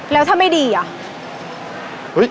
แล้วถ้าไม่ดีอ่ะ